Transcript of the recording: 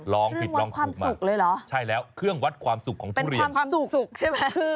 ลองผิดลองถูกมากใช่แล้วเครื่องวัดความสุขของทุเรียนเป็นความสุขใช่ไหม